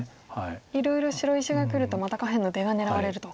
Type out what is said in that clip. いろいろ白石がくるとまた下辺の出が狙われると。